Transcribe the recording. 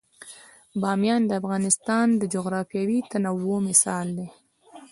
بامیان د افغانستان د جغرافیوي تنوع مثال دی.